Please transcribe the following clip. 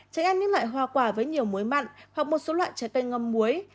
tránh ăn những loại hoa quả với nhiều muối mặn hoặc một số loại trái cây ngâm muối